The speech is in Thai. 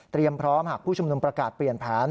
พร้อมหากผู้ชุมนุมประกาศเปลี่ยนแผน